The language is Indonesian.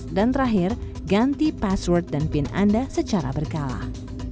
kedua ganti password dan pin anda secara berkalah